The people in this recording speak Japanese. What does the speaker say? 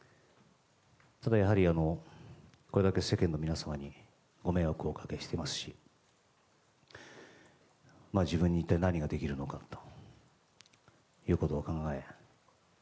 それはやはりこれだけ世間の皆さんにご迷惑をおかけしていますし自分に一体、何ができるのかということを考え